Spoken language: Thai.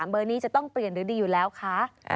เบอร์นี้จะต้องเปลี่ยนหรือดีอยู่แล้วคะ